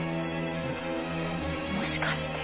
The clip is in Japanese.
もしかして。